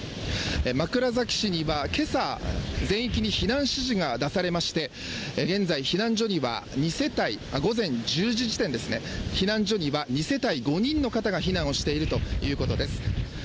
枕崎市にはけさ全域に避難指示が出されまして、現在、避難所には２世帯、午前１０時時点ですね、避難所には２世帯５人の方が避難をしているということです。